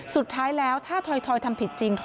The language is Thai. สุดท้ายแล้วถ้าถอยทำผิดจริง